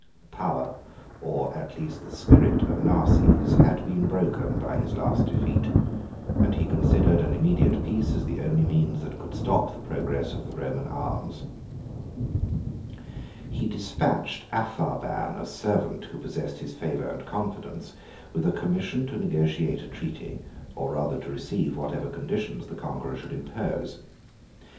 74 The power, or at least the spirit, of Narses, had been broken by his last defeat; and he considered an immediate peace as the only means that could stop the progress of the Roman arms. He despatched Apharban, a servant who possessed his favor and confidence, with a commission to negotiate a treaty, or rather to receive whatever conditions the conqueror should impose.